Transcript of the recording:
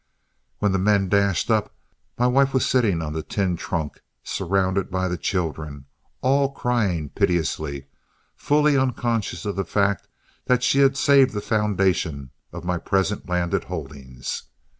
When the men dashed up, my wife was sitting on the tin trunk, surrounded by the children, all crying piteously, fully unconscious of the fact that she had saved the foundation of my present landed holdings.